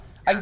chứ không có